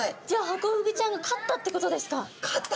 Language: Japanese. じゃあハコフグちゃんが勝ったってことですか？